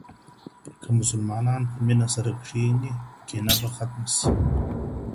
که مسلمانان په مینه سره کښېني کینه به ختمه سي.